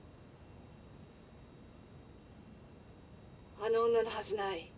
あの女のはずない。